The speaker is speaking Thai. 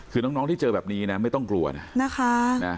คือน้องที่เจอแบบนี้นะไม่ต้องกลัวนะนะคะ